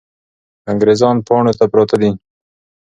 انګریزان پاڼو ته پراته دي.